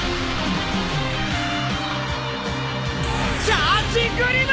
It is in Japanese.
チャーチグリム！